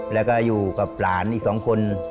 แล้วก็อยู่กับหลานอีก๒คน